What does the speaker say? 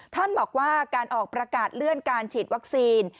ท่านบอกว่าการออกประกาศเลื่อนการฉีดวัคซีน